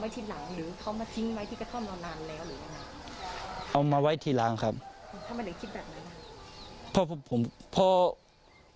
ทำไมถึงคิดแบบนั้น